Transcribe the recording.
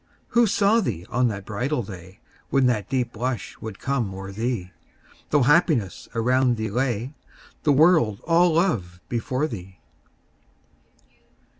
Who saw thee on that bridal day, When that deep blush would come o'er thee, Though happiness around thee lay, The world all love before thee.